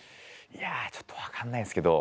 いやちょっとわかんないですけど。